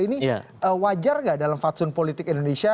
ini wajar nggak dalam fatsun politik indonesia